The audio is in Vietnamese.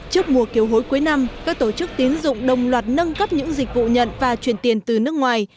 trước mùa kiều hối cuối năm các tổ chức tín dụng đồng loạt nâng cấp những dịch vụ nhận và chuyển tiền từ nước ngoài